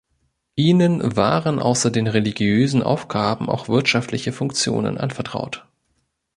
Ihnen waren außer den religiösen Aufgaben auch wirtschaftliche Funktionen anvertraut.